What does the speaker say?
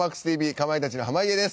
かまいたちの濱家です。